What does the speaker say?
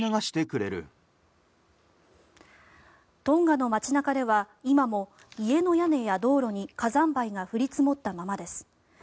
トンガの街中では今も家の屋根や道路に火山灰が降り積もったままです。